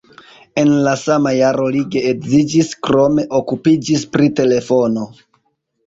En la sama jaro li geedziĝis, krome okupiĝis pri telefono.